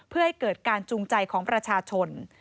เพื่อให้เกิดการจูงใจของประชาชน